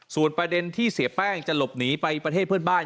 ส่วนประเด็นที่เสียแป้งจะหลบหนีไปประเทศเพื่อนบ้าน